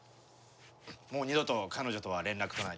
もう二度と彼女とは連絡取らない。